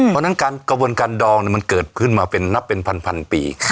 เพราะฉะนั้นการกระบวนการดองมันเกิดขึ้นมาเป็นนับเป็นพันปี